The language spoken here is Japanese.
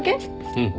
うん。